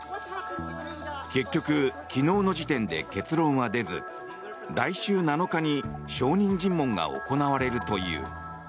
結局、昨日の時点で結論は出ず来週７日に証人尋問が行われるという。